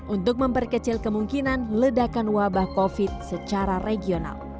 untuk memperkecil kemungkinan ledakan wabah covid secara regional